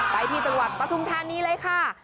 ไปที่จังหวัดปฐุมธานีเลยค่ะ